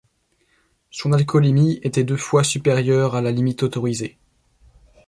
Son alcoolémie était deux fois supérieur à la limite autorisée.